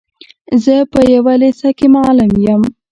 زه په يوه لېسه کي معلم يم.